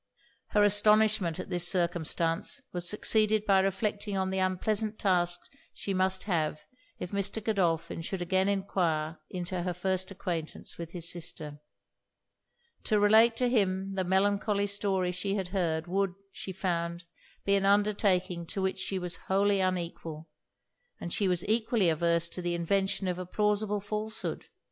Her astonishment at this circumstance was succeeded by reflecting on the unpleasant task she must have if Mr. Godolphin should again enquire into her first acquaintance with his sister. To relate to him the melancholy story she had heard, would, she found, be an undertaking to which she was wholly unequal; and she was equally averse to the invention of a plausible falsehood.